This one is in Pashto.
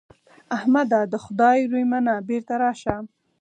احمده! د خدای روی منه؛ بېرته راشه.